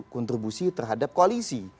kontribusi terhadap koalisi